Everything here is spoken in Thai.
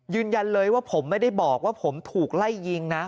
ยืนยันเลยว่าผมไม่ได้บอกว่าผมถูกไล่ยิงนะ